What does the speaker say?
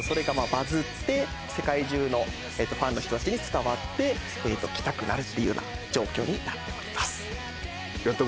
バズって世界中のファンの人達に伝わって来たくなるっていうような状況になっております